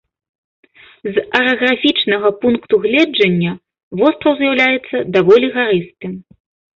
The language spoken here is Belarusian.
З араграфічнага пункту гледжання, востраў з'яўляецца даволі гарыстым.